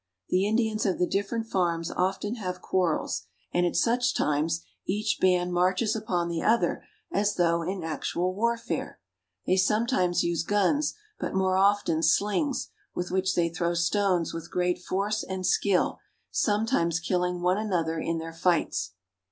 The Indians of the different farms often have quarrels, and at such times 8o PERU. each band marches upon the other as though in actual warfare. They sometimes use guns, but more often sHngs, with which they throw stones with great force and skill, sometimes killing one another in their fights.